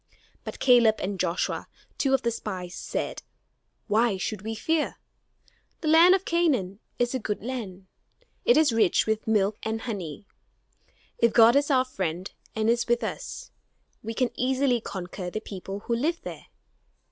But Caleb and Joshua, two of the spies, said, "Why should we fear? The land of Canaan is a good land; it is rich with milk and honey. If God is our friend and is with us, we can easily conquer the people who live there.